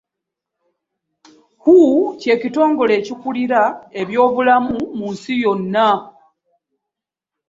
WHO ky'ekitongole ekikulira eby'obulamu mu nsi yonna.